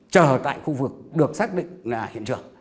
chờ tại khu vực được xác định là hiện trường